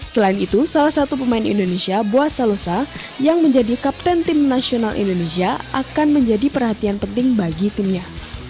selain itu salah satu pemain indonesia buas salosa yang menjadi kapten tim nasional indonesia akan menjadi perhatian penting bagi timnya